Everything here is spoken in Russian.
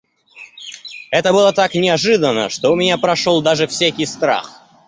Это было так неожиданно, что у меня прошел даже всякий страх.